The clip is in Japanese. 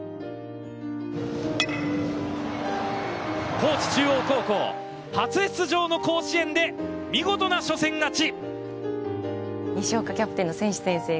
高知中央高校、初出場の甲子園で見事な初戦勝ち。